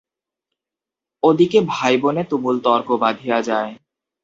ওদিকে ভাইবোনে তুমুল তর্ক বাধিয়া যায়।